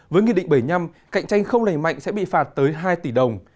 với nghị định bảy mươi năm cạnh tranh không lành mạnh sẽ bị phạt tới hai tỷ đồng